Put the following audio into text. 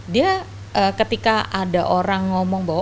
dia ketika ada orang ngomong bahwa